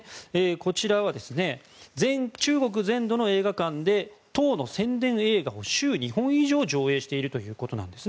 こちらは、中国全土の映画館で党の宣伝映画を週２本以上上映しているということです。